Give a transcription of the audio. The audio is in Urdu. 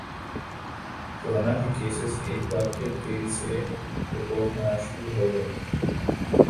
کرونا کے کیسز ایک بار پھر تیزی سے رپورٹ ہونا شروع ہوگئے